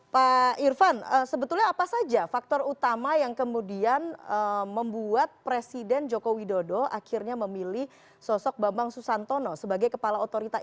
pak irvan sebetulnya apa saja faktor utama yang kemudian membuat presiden joko widodo akhirnya memilih sosok bambang susantono sebagai kepala otorita